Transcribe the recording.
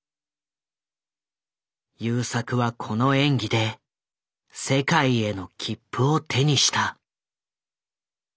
優作はこの演技で世界への切符を手にした。